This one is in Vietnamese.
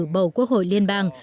bầu quốc hội liên bang